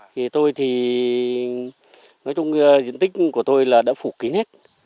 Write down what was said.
thì tôi thì nói chung diện tích của tôi là đã phủ kín hết